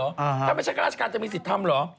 ถ้าไม่ใช่ก็ราชการจะมีสิทธิธรรมเหรอ